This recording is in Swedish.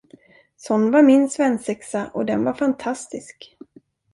Sån var min svensexa och den var fantastisk.